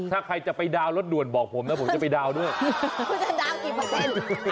ถ้าใครจะไปดาวน์รถด่วนบอกผมนะผมจะไปดาวนด้วยคุณจะดาวนกี่เปอร์เซ็นต์